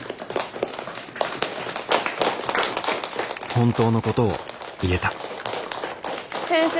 本当のことを言えた先生。